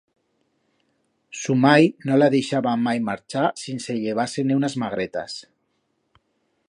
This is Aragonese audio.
Su mai no la deixaba mai marchar sinse llevar-se-ne unas magretas.